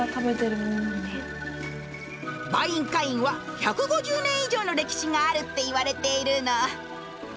バインカインは１５０年以上の歴史があるっていわれているの。